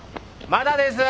まだです！